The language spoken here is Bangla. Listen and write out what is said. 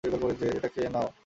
এটা খেয়ে নাও।